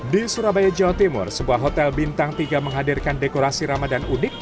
di surabaya jawa timur sebuah hotel bintang tiga menghadirkan dekorasi ramadan unik